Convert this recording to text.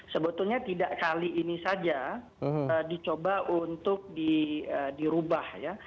sebetulnya tidak kali ini saja dicoba untuk dirubah ya